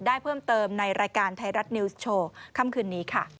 ได้เพิ่มเติมในรายการไทยรัฐนิวส์โชว์ค่ำคืนนี้ค่ะ